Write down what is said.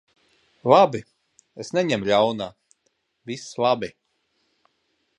Labi. Es neņemu ļaunā. Viss labi.